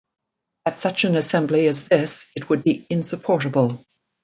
At such an assembly as this it would be insupportable.